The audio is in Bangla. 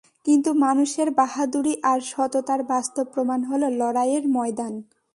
কিন্তু মানুষের বাহাদুরী আর সততার বাস্তব প্রমাণ হল লড়াইয়ের ময়দান।